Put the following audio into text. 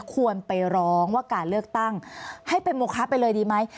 ควรไปร้องว่าการเลือกตั้งให้เป็นโมคะไปเลยดีไหม